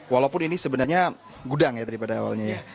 walaupun ini sebenarnya gudang ya daripada awalnya ya